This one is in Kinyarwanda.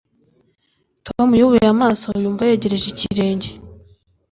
Tom yubuye amaso yumva yegereje ikirenge.